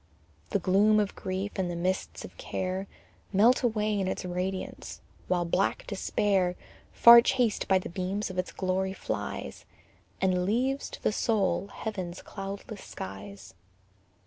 The gloom of grief, and the mists of care Melt away in its radiance, while black despair, Far chased by the beams of its glory, flies, And leaves to the soul heaven's cloudless skies.